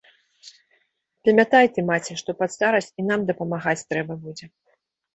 Памятай ты, маці, што пад старасць і нам дапамагаць трэба будзе.